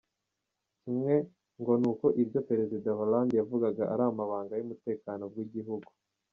Kimwe, ngo n’uko ibyo perezida Hollande yavugaga ari amabanga y’umutekano w’’igihugu.